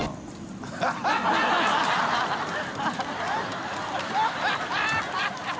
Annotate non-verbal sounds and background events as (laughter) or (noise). ハハハ (laughs)